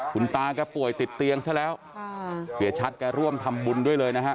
คุณตาแกป่วยติดเตียงซะแล้วเสียชัดแกร่วมทำบุญด้วยเลยนะฮะ